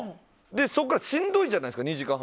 そこからしんどいじゃないですか。